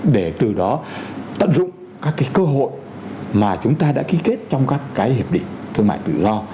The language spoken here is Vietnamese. để từ đó tận dụng các cái cơ hội mà chúng ta đã ký kết trong các cái hiệp định thương mại tự do